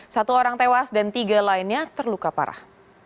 satu orang tewas dan tiga lainnya terluka parah